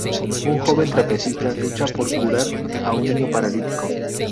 Un joven trapecista lucha por curar a un niño paralítico.